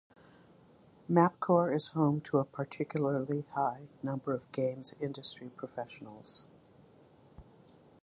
MapCore is home to a particularly high number of games industry professionals.